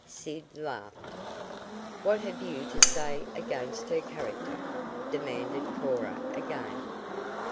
Sid laughed. "What have you to say against her character?" demanded Cora again.